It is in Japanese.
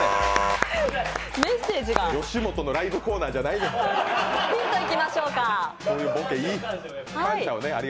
吉本のライブコーナーじゃない。